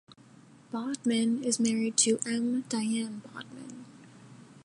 Bodman is married to M. Diane Bodman.